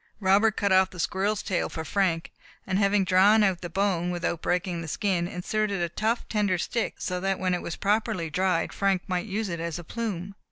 Robert cut off the squirrel's tail for Frank; and having drawn out the bone, without breaking the skin, inserted a tough, slender stick, so that when it was properly dried, Frank might use it as a plume.